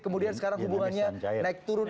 kemudian sekarang hubungannya naik turun